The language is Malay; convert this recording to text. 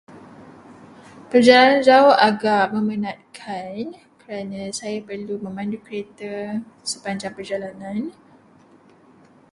Perjalanan jauh agak memenatkan kerana saya perlu memandu kereta sepanjang perjalanan.